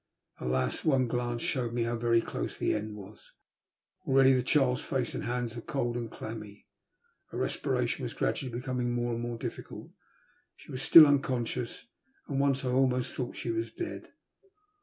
Alas ! one glance showed me how very close the end was. Already the child's face and hands were cold and clammy, her respiration was gradually becoming more and more difficult. She was still unconscious, and once I almost thought she was dead.